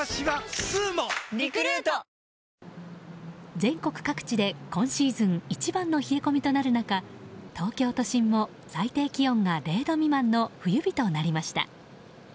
全国各地で今シーズン一番の冷え込みとなる中東京都心も最低気温が０度未満の冬日となりました。